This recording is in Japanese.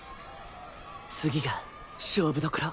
次が勝負どころ